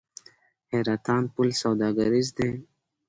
حیرتان پل سوداګریز دی؟